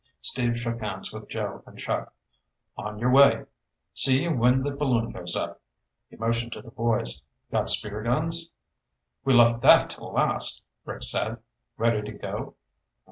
Steve shook hands with Joe and Chuck. "On your way. See you when the balloon goes up." He motioned to the boys. "Got spear guns?" "We left that till last," Rick said. "Ready to go?"